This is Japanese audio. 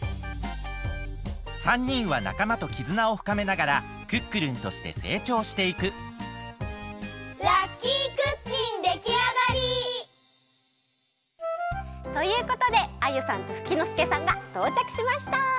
３にんはなかまときずなをふかめながらクックルンとしてせいちょうしていくラッキークッキンできあがり！ということでアユさんとフキノスケさんがとうちゃくしました！